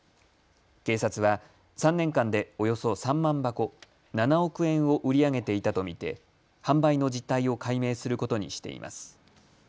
警察は３年間でおよそ３万箱、７億円を売り上げていたと見て販売の実態を解明することにしています。